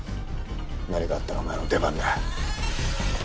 何かあったらお前の出番だ。